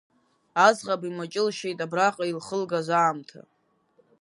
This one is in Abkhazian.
Аӡӷаб имаҷылшьеит абраҟа илхылгаз аамҭа…